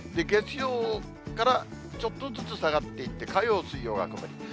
月曜からちょっとずつ下がっていって、火曜、水曜は曇り。